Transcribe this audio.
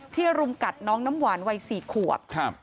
รุมกัดน้องน้ำหวานวัย๔ขวบ